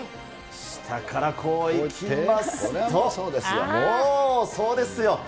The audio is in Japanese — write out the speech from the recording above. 下からこういきますと、もう、そうですよ。